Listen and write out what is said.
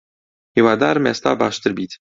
هیوادارم ئێستا باشتر بیت.